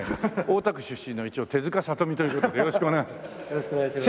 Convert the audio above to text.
大田区出身の一応手塚理美という事でよろしくお願いします。